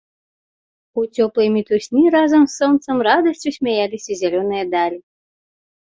У цёплай мітусні разам з сонцам радасцю смяяліся зялёныя далі.